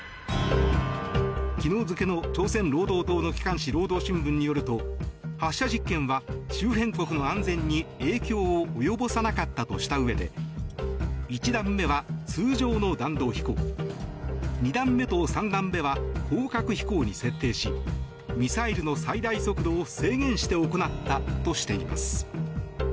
昨日付の朝鮮労働党の機関紙労働新聞によると発射実験は周辺国の安全に影響を及ぼさなかったとしたうえで１段目は通常の弾道飛行２段目と３段目は高角飛行に設定しミサイルの最大速度を制限して行ったとしています。